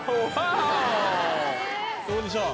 どうでしょう？